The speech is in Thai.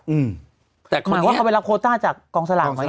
หมายความว่าเขาไปรับโควต้าจากกองสลักไหม